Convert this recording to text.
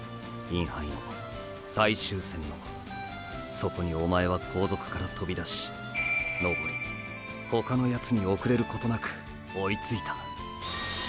そこにおまえは後続からとびだし登りほかのヤツに遅れることなく追いついたたった今。